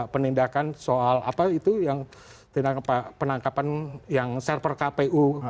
penindakan soal apa itu yang penangkapan yang server kpu